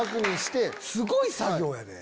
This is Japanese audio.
すごい作業やで。